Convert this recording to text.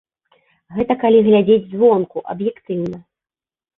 Гэта калі глядзець звонку, аб'ектыўна.